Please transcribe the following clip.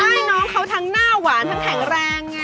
ใช่น้องเขาทั้งหน้าหวานทั้งแข็งแรงไง